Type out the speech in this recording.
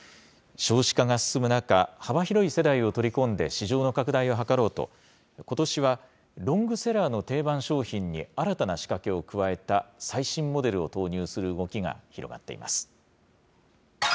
少子化が進む中、幅広い世代を取り込んで市場の拡大を図ろうと、ことしはロングセラーの定番商品に新たな仕掛けを加えた最新モデルを投入する動きが広がっています。